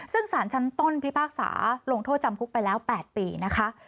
ซึ่งสารชั้นต้นพิพากษาลงโทษจำคุกไปแล้ว๘ปีนะคะ